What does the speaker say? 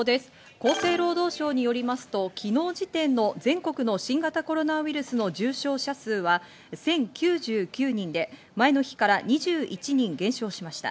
厚生労働省によりますと、昨日時点の全国の新型コロナウイルスの重症者数は１０９９人で、前の日から２１人減少しました。